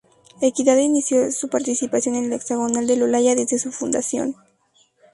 Equidad inició su participación en el Hexagonal del Olaya desde su fundación.